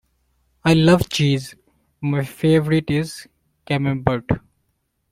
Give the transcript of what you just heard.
I love cheese; my favourite is camembert.